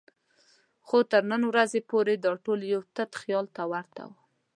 خو تر نن ورځې پورې دا ټول یو تت خیال ته ورته وو.